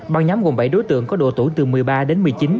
băng nhóm gồm bảy đối tượng có độ tuổi từ một mươi ba đến một mươi chín